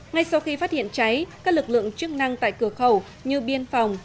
ngay sau khi phát hiện cháy các lực lượng chức năng tại cửa khẩu như biên phòng